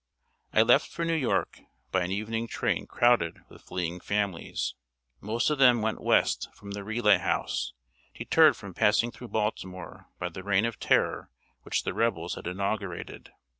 I left for New York, by an evening train crowded with fleeing families. Most of them went west from the Relay House, deterred from passing through Baltimore by the reign of terror which the Rebels had inaugurated.